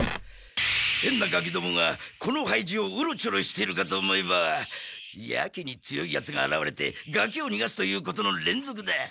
へんなガキどもがこの廃寺をうろちょろしてるかと思えばやけに強いやつがあらわれてガキを逃がすということの連続だ。